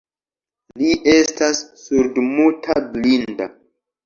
Li estas surdmuta blinda.